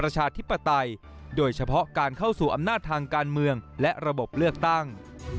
เฉพาะการเข้าสู่อำนาจทางการเมืองและระบบเลือกตั้ง